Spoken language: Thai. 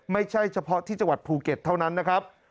ไม่ใช่เฉพาะที่จังหวัดภูเก็ตเท่านั้นนะครับ